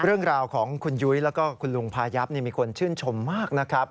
เรื่องราวของคุณยุ้ยแล้วก็คุณลุงพายับมีคนชื่นชมมากนะครับ